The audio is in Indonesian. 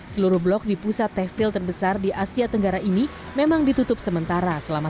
seluruh blok di pusat tekstil terbesar di asia tenggara ini memang ditutup sementara selama